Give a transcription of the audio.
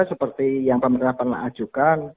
seperti yang pemerintah pernah ajukan